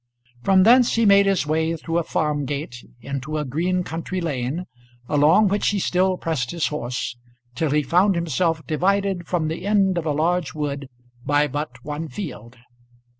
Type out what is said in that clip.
From thence he made his way through a farm gate into a green country lane, along which he still pressed his horse, till he found himself divided from the end of a large wood by but one field.